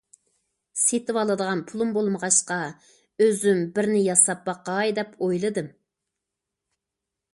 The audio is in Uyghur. سېتىۋالىدىغان پۇلۇم بولمىغاچقا، ئۆزۈم بىرنى ياساپ باقاي دەپ ئويلىدىم.